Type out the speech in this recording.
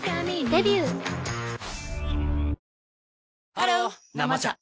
ハロー「生茶」